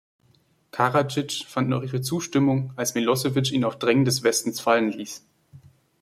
Karadzic fand noch ihre Zustimmung, als Milosevi ihn auf Drängen des Westens fallen ließ.